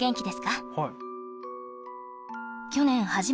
はい。